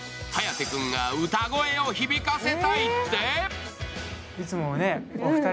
颯君が歌声を響かせたいって？